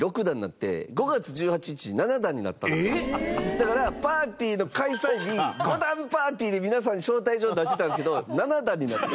だからパーティーの開催日に五段パーティーに皆さん招待状出してたんですけど七段になってた。